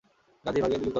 গাধী, ভাগিয়ে দিলি তো ওকে!